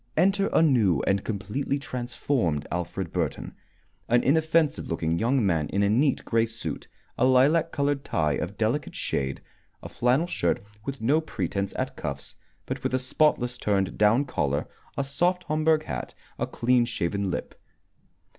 Enter a new and completely transformed Alfred Burton, an inoffensive looking young man in a neat gray suit, a lilac colored tie of delicate shade, a flannel shirt with no pretence at cuffs, but with a spotless turned down collar, a soft Homburg hat, a clean shaven lip.